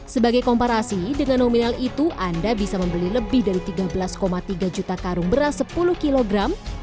sebagai komparasi dengan nominal itu anda bisa membeli lebih dari tiga belas tiga juta karung beras sepuluh kilogram